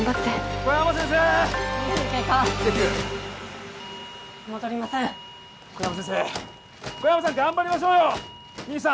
小山先生小山さん頑張りましょうよミンさん